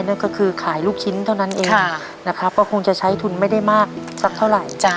นั่นก็คือขายลูกชิ้นเท่านั้นเองนะครับก็คงจะใช้ทุนไม่ได้มากสักเท่าไหร่